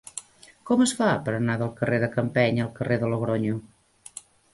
Com es fa per anar del carrer de Campeny al carrer de Logronyo?